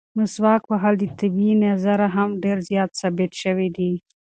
مسواک وهل د طبي نظره هم ډېر زیات ثابت شوي دي.